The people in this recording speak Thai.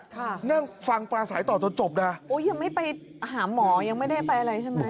นั่งฟังปลาสายต่อจนจบนะโอ้ยยังไม่ไปหาหมอยังไม่ได้ไปอะไรใช่ไหม